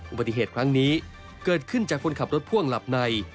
อุบัติเหตุครั้งนี้เกิดขึ้นจากคนขับรถพ่วงหลับใน